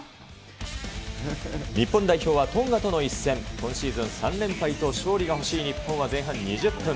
日本代表はトンガとの一戦、今シーズン３連敗と、勝利が欲しい日本は前半２０分。